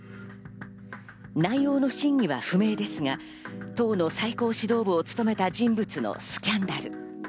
内容の真偽は不明ですが、党の最高指導部を務めた人物のスキャンダル。